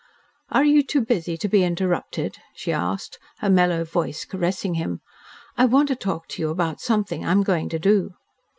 "Are you too busy to be interrupted?" she asked, her mellow voice caressing him. "I want to talk to you about something I am going to do."